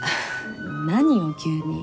何よ急に。